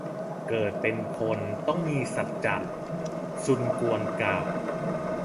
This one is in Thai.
เกิดเป็นคน ต้องมีสัจจะ ซุนกวนกล่าว